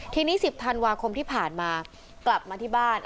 ทีนี้๑๐ธันวาคมที่ผ่านมากลับมาที่บ้าน